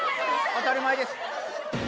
当たり前です